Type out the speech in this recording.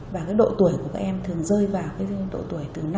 và độ tuổi của các em thường rơi vào độ tuổi từ năm